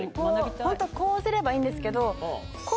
ホントはこうすればいいんですけど。